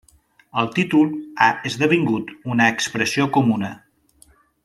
El títol ha esdevingut una expressió comuna.